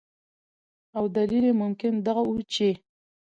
او دلیل یې ممکن دغه ؤ چې